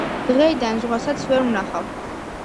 - დღეიდან ზღვასაც ვერ ვნახავ,